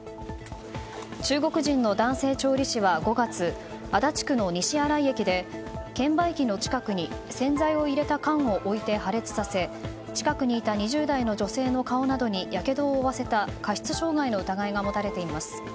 中国人の男性調理師は５月足立区の西新井駅で券売機の近くに洗剤を入れた缶を置いて破裂させ近くにいた２０代の女性の顔などにやけどを負わせた過失傷害の疑いが持たれています。